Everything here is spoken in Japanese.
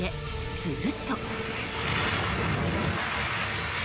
すると。